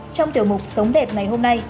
trong tiểu mục sống đẹp ngày hôm nay